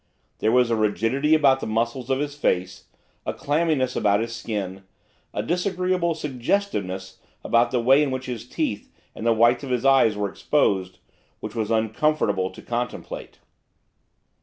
There was a rigidity about the muscles of his face, a clamminess about his skin, a disagreeable suggestiveness about the way in which his teeth and the whites of his eyes were exposed, which was uncomfortable to contemplate.